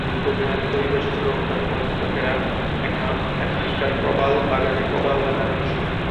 দীর্ঘমেয়াদি পরিবেশ সুরক্ষায় পর্যটকেরা এখানকার প্রবাল বাগানে প্রবাল লাগানোরও সুযোগ পান।